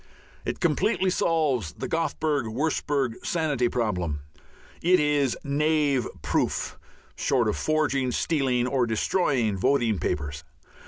It completely solves the Goldbug Wurstberg Sanity problem. It is knave proof short of forging, stealing, or destroying voting papers.